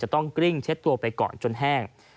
ต้องกริ้งเช็ดตัวไปก่อนจนแห้ง